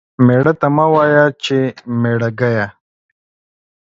ميړه ته مه وايه چې ميړه گيه.